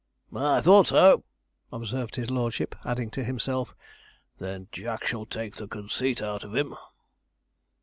'I thought so,' observed his lordship; adding to himself, 'then Jack shall take the conceit out of him.'